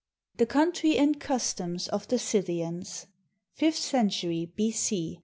THE COUNTRY AND CUSTOMS OF THE SCYTHIANS [Fifth century B.C.